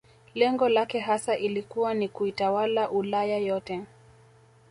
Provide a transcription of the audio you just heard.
Lengo lake hasa ilikuwa ni kuitawala Ulaya yote